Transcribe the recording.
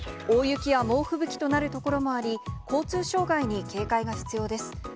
大雪や猛吹雪となる所もあり、交通障害に警戒が必要です。